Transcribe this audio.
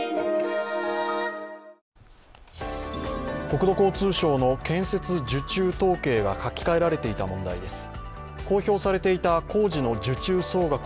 国土交通省の建設受注統計が書き換えられていた問題です。